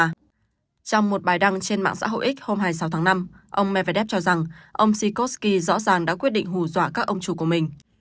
trong một bài đăng trên mạng xã hội x hôm hai mươi sáu tháng năm ông medvedev cho rằng ông sikosky rõ ràng đã quyết định hù dọa các ông chủ của mình